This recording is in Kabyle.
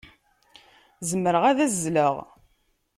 Zemreɣ ad azzleɣ.